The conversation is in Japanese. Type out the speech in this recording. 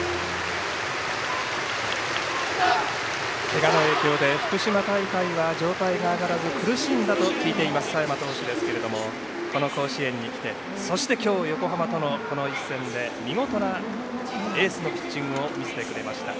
けがの影響で福島大会は状態が上がらず苦しんだと聞いています佐山投手ですけれどもこの甲子園に来てそして今日、横浜とのこの一戦で見事なエースのピッチングを見せてくれました。